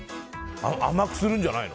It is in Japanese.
甘くするんじゃないの？